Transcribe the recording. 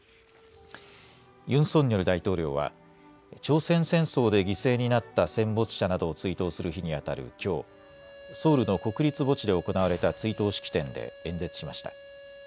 ユン・ソンニョル大統領は朝鮮戦争で犠牲になった戦没者などを追悼する日にあたるきょう、ソウルの国立墓地で行われた追悼式典で演説しました。